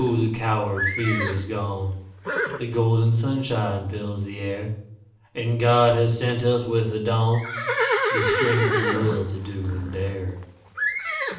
the coward fear is gone The golden sunshine fills the air, And God has sent us with the dawn The strength and will to do and dare.